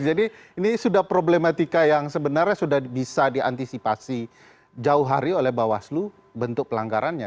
ini sudah problematika yang sebenarnya sudah bisa diantisipasi jauh hari oleh bawaslu bentuk pelanggarannya